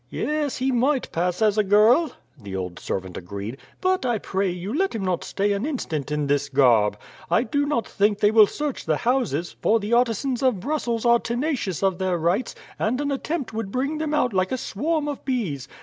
"Yes, he might pass as a girl," the old servant agreed. "But, I pray you, let him not stay an instant in this garb. I do not think they will search the houses, for the artisans of Brussels are tenacious of their rights, and an attempt would bring them out like a swarm of bees.